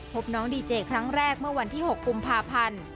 พบน้องดีเจครั้งแรกเมื่อวันที่๖กุมภาพันธ์